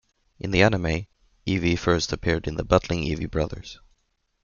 In the anime, Eevee first appeared in "The Battling Eevee Brothers".